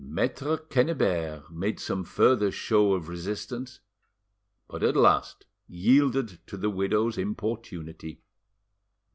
Maitre Quennebert made some further show of resistance, but at last yielded to the widow's importunity.